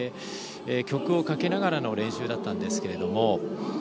曲をかけながらの練習だったんですが。